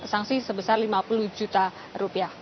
sanksi sebesar lima puluh juta rupiah